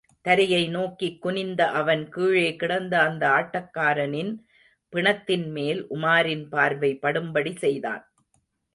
தரையை நோக்கிக் குனிந்த அவன் கீழே கிடந்த அந்த ஆட்டக்காரனின் பிணத்தின் மேல் உமாரின் பார்வை படும்படி செய்தான்.